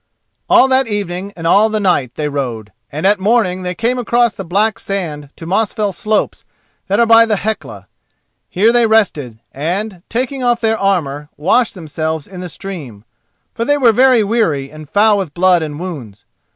All that evening and all the night they rode, and at morning they came across the black sand to Mosfell slopes that are by the Hecla. Here they rested, and, taking off their armour, washed themselves in the stream: for they were very weary and foul with blood and wounds.